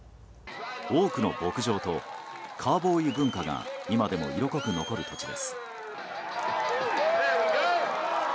多くの牧場とカウボーイ文化が今でも色濃く残る土地です。